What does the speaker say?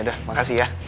yaudah makasih ya